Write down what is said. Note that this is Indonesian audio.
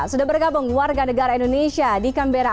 sudah bergabung warga negara indonesia di canberra